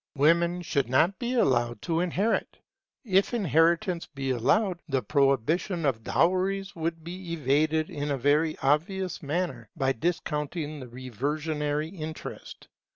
Women should not be allowed to inherit. If inheritance be allowed, the prohibition of dowries would be evaded in a very obvious manner by discounting the reversionary interest.